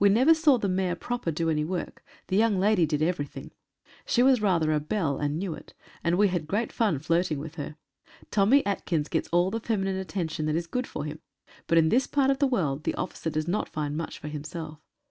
We never saw the Maire proper do any work, the young lady did every thing. She was rather a belle, and knew it, and we had great fun flirting with her. Tommy Atkins gets all the feminine attention that is good for him, but in this part of the world the officer does not find much for himself.